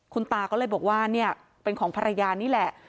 คุณตาก็เลยบอกว่าเนี่ยเป็นของภรรยานี่แหละ